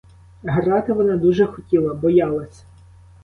Грати вона дуже хотіла — боялась.